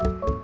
ya udah deh